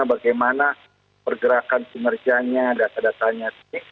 bagaimana pergerakan pengerjanya data datanya ini